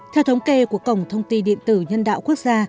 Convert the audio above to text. theo thống kê của cổng thông tin điện tử nhân đạo quốc gia